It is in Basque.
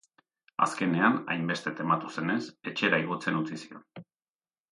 Azkenean, hainbeste tematu zenez, etxera igotzen utzi zion.